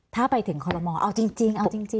ถ้าไปถึงคอลโลมอล์เอาจริง